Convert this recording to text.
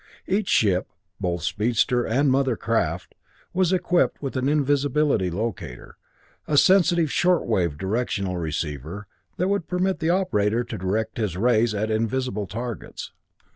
Each ship, both speedster and mother craft, was equipped with an invisibility locator, a sensitive short wave directional receiver, that would permit the operator to direct his rays at invisible targets.